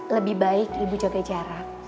lebih baik ibu jaga jarak